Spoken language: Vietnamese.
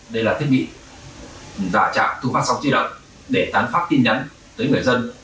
đây là thiết bị giả trạm thu phát sóng di động để tán phát tin nhắn tới người dân